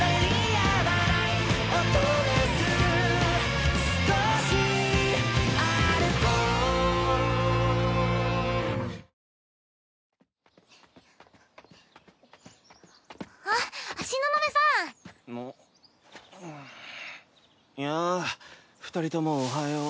やあ二人ともおはよう。